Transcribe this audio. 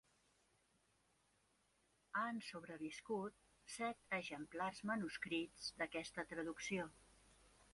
Han sobreviscut set exemplars manuscrits d'aquesta traducció.